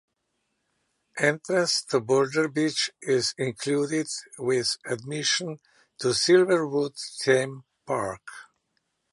Entrance to Boulder Beach is included with admission to Silverwood Theme Park.